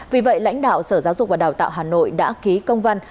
vì vậy lãnh đạo sở giáo dục và đào tạo hà nội đã ký công văn